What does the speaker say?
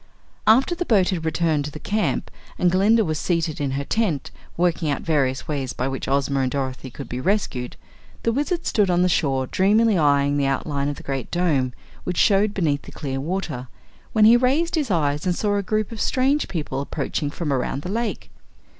After the boat had returned to the camp and Glinda was seated in her tent, working out various ways by which Ozma and Dorothy could be rescued, the Wizard stood on the shore dreamily eying the outlines of the Great Dome which showed beneath the clear water, when he raised his eyes and saw a group of strange people approaching from around the lake.